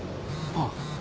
ああ。